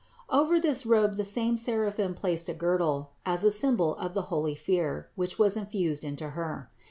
78. Over this robe the same seraphim placed a girdle, as a symbol of the holy fear, which was infused into Her.